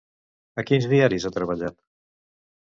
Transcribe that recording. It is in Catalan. A quins diaris ha treballat?